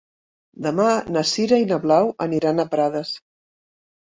Demà na Sira i na Blau aniran a Prades.